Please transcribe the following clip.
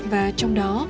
và trong đó